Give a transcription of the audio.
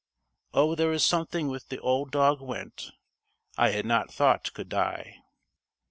Oh, there was something with the old dog went I had not thought could die!"